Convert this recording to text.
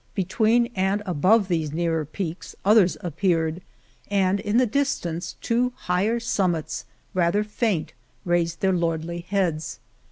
Between and above these nearer peaks others appeared, and in the distance two higher summits, rather faint, raised their lordly heads.